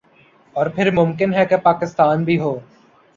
اور پھر ممکن ہے کہ پاکستان بھی ہو